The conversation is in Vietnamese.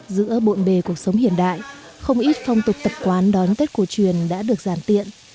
giữa bộn bề cuộc sống hiện đại không ít phong tục tập quán đón tết cổ truyền đã được giàn tiện